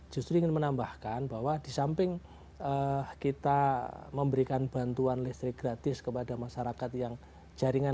nah saya justru ingin menambahkan bahwa disamping kita memberikan bantuan listrik gratis kepada masyarakat yang jaringan